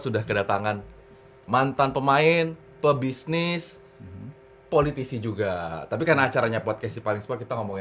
selamat datang di podcast sipaling sport